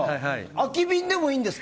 空き瓶でもいいです。